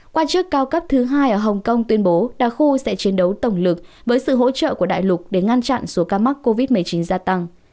quan chức cao cấp thứ hai ở hồng kông tuyên bố đa khu sẽ chiến đấu tổng lực với sự hỗ trợ của đại lục để ngăn chặn số ca mắc covid một mươi chín gia tăng